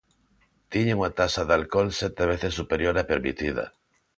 Tiña unha taxa de alcol sete veces superior á permitida.